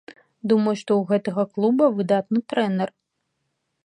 Думаю, што ў гэтага клуба выдатны трэнер.